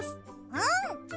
うん！